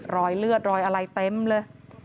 รอยเลือดรอยอะไรเต็มเลย